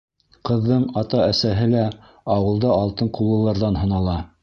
Ҡыҙҙың ата-әсәһе лә ауылда алтын ҡуллыларҙан һанала.